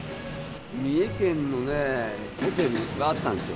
三重県のホテルがあったんですよ。